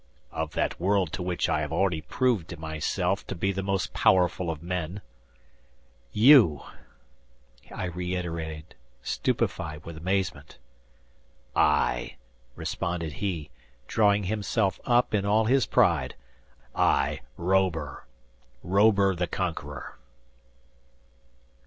"Of that world to which I have already proved myself to be the most powerful of men." "You!" I reiterated, stupefied with amazement. "I," responded he, drawing himself up in all his pride, "I, Robur—Robur, the Conqueror!"